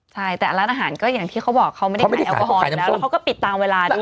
ใช่แต่ร้านอาหารก็อย่างที่เขาบอกเขาไม่ได้ขายแอลกอฮอลอยู่แล้วแล้วเขาก็ปิดตามเวลาด้วย